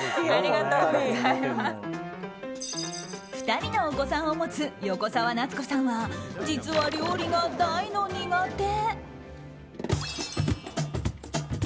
２人のお子さんを持つ横澤夏子さんは実は料理が大の苦手。